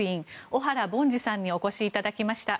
小原凡司さんにお越しいただきました。